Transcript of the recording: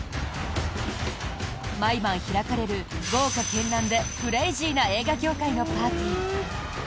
毎晩開かれる豪華絢爛でクレージーな映画業界のパーティー。